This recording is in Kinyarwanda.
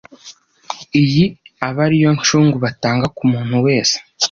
iyi abe ari yo ncungu batanga ku muntu wese